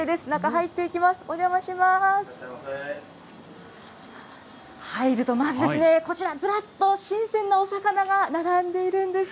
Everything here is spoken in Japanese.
入ると、まずですね、こちら、ずらっと新鮮なお魚が並んでいるんです。